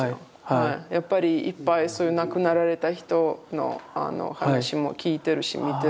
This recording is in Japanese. やっぱりいっぱいそういう亡くなられた人の話も聞いてるし見てるし。